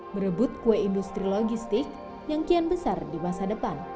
merebut kue industri logistik nyangkian besar di masa depan